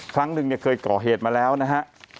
ครั้งหนึ่งเนี่ยเคยก่อเหตุมาแล้วนะฮะ